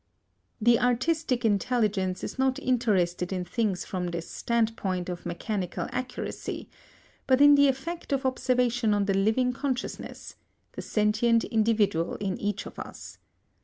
The artistic intelligence is not interested in things from this standpoint of mechanical accuracy, but in the effect of observation on the living consciousness the sentient individual in each of us.